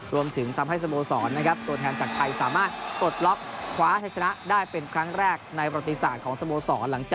รวมถึงทำให้สโมสรนะครับตัวแทนจากไทยสามารถปลดล็อกคว้าชัยชนะได้เป็นครั้งแรกในประติศาสตร์ของสโมสร